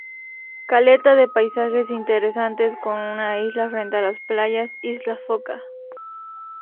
Caleta de paisajes interesantes con una isla frente a las playas: Isla Foca.